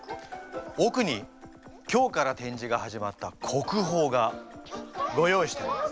おくに今日からてんじが始まった国宝がご用意してあります。